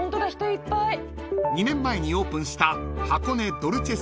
［２年前にオープンした］